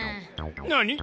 何？